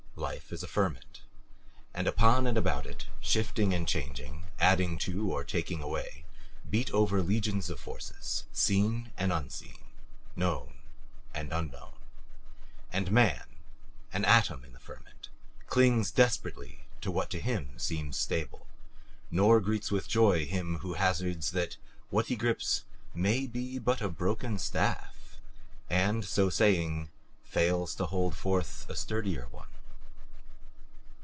Life is a ferment, and upon and about it, shifting and changing, adding to or taking away, beat over legions of forces, seen and unseen, known and unknown. And man, an atom in the ferment, clings desperately to what to him seems stable; nor greets with joy him who hazards that what he grips may be but a broken staff, and, so saying, fails to hold forth a sturdier one.